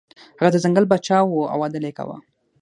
هغه د ځنګل پاچا و او عدل یې کاوه.